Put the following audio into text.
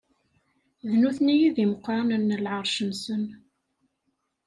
D nutni i d imeqranen n leɛṛac-nsen.